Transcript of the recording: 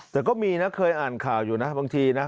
แต่ก็มีนะเคยอ่านข่าวอยู่นะบางทีนะ